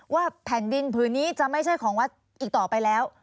แผ่นดินผืนนี้จะไม่ใช่ของวัดอีกต่อไปแล้ว